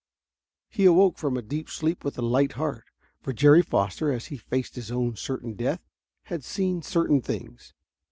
He awoke from a deep sleep with a light heart. For Jerry Foster, as he faced his own certain death, had seen certain things.